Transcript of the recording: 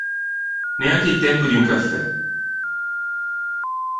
Neanche il tempo di un caffè.